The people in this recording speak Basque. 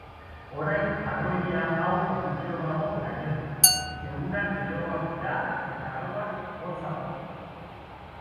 Orain, arroila hau egunero dago lainotuta; egunak beroagoak dira, eta gauak, hotzagoak.